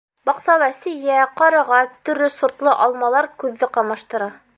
Баҡсала сейә, ҡарағат, төрлө сортлы алмалар күҙҙе ҡамаштыра.